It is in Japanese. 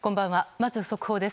まず速報です。